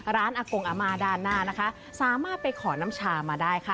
อากงอาม่าด้านหน้านะคะสามารถไปขอน้ำชามาได้ค่ะ